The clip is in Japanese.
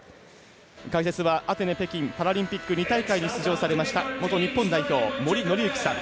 解説はアテネ、北京パラリンピック２大会に出場されました元日本代表、森紀之さん。